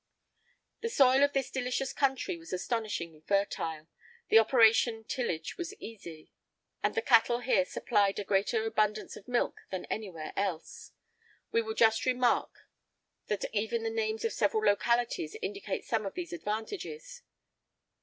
[I 14] The soil of this delicious country was astonishingly fertile,[I 15] the operation of tillage was easy, and the cattle here supplied a greater abundance of milk than anywhere else;[I 16] we will just remark that even the names of several localities indicate some of these advantages.